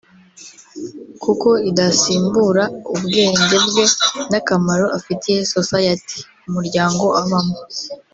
kuko idasimbura ubwenge bwe n’akamaro afitiye society (Umuryango abamo)